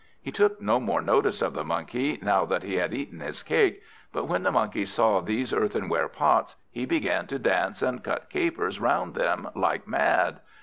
He took no more notice of the Monkey, now that he had eaten his cake; but when the Monkey saw these earthenware pots, he began to dance and cut capers round them, like mad.